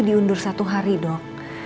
diundur satu hari dok